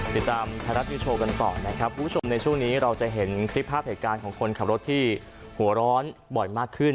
ติดตามไทยรัฐนิวโชว์กันต่อนะครับคุณผู้ชมในช่วงนี้เราจะเห็นคลิปภาพเหตุการณ์ของคนขับรถที่หัวร้อนบ่อยมากขึ้น